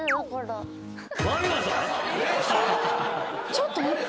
ちょっと待って。